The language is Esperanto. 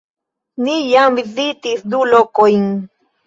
Ni jam vizitis du lokojn